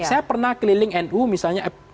saya pernah keliling nu misalnya